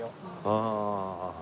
ああ。